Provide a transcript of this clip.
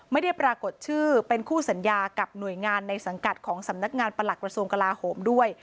ไม่ได้ปรากฏชื่อเป็นคู่สัญญากับหน่วยงานในสังกัดของสำนักงานประหลักกระทรวงกลาโหมด้วย